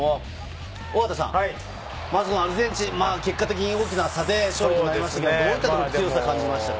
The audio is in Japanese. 大畑さん、まずアルゼンチン、結果的に大きな差で勝利となりましたけれど、どういったところ強さ感じましたか？